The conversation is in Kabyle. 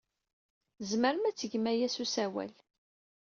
Tzemrem ad tgem aya s usawal.